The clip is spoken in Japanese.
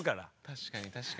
確かに確かに。